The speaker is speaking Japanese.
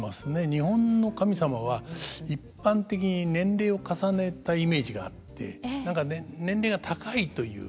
日本の神様は一般的に年齢を重ねたイメージがあって何か年齢が高いという。